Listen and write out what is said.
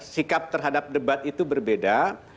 sikap terhadap debat itu berbeda